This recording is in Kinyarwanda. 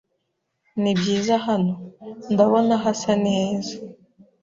Nibyiza hano.ndabona hasa neza